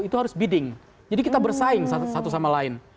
itu harus bidding jadi kita bersaing satu sama lain